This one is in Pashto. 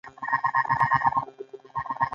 • صداقت د علم د دروازې کلید دی.